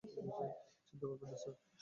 চিন্তা করবেন না স্যার।